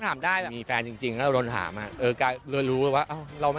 ตำรวจได้แล้วไหม